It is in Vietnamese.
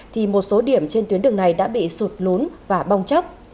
thì một số điểm trên tuyến đường này đã bị sụt lún và bong chóc